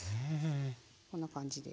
こんな感じで。